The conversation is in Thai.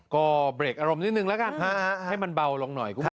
ก็เบรกอารมณ์นิดนึงละกันให้มันเบาลงหน่อย